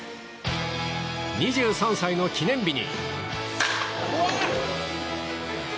２３歳の記念日に。